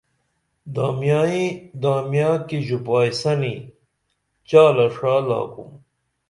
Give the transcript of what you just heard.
دامیائیں دامیاں کی ژوپائیسنی چالہ ݜا لاکُم